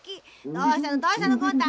どうしたのどうしたのゴン太。